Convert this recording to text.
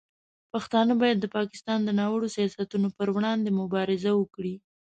پښتانه باید د پاکستان د ناوړه سیاستونو پر وړاندې مبارزه وکړي.